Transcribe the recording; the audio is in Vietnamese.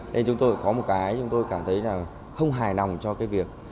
nên chúng tôi có một cái chúng tôi cảm thấy là không hài lòng cho cái việc